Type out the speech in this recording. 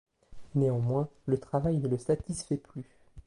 Néanmoins, le travail ne le satisfait plus.